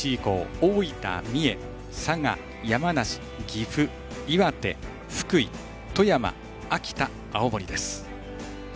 大分、三重、佐賀山梨、岐阜、岩手、福井、富山秋田、青森です。